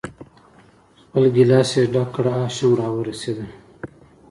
خپل ګیلاس یې ډک کړ، آش هم را ورسېدل.